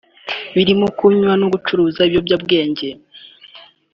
birimo kunywa no gucuruza ibiyobyabwenge